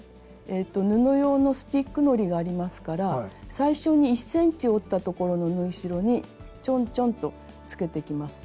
布用のスティックのりがありますから最初に１ｃｍ折った所の縫い代にちょんちょんとつけていきます。